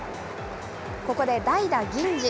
ここで代打、銀次。